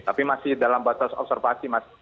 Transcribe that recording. tapi masih dalam batas observasi mas